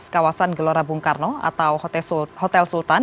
kawasan gelora bung karno atau hotel sultan